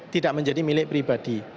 tidak menjadi milik pribadi